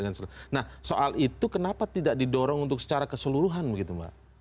nah soal itu kenapa tidak didorong untuk secara keseluruhan begitu mbak